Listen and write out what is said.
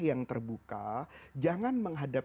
yang terbuka jangan menghadap